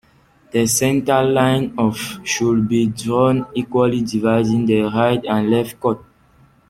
The centre line of should be drawn equally dividing the right and left court.